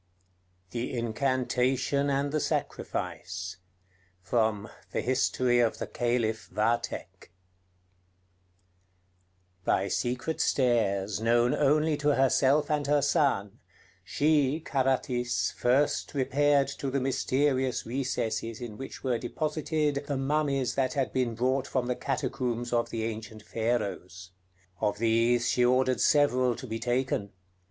THE INCANTATION AND THE SACRIFICE From 'The History of the Caliph Vathek' By secret stairs, known only to herself and her son, she [Carathis] first repaired to the mysterious recesses in which were deposited the mummies that had been brought from the catacombs of the ancient Pharaohs. Of these she ordered several to be taken.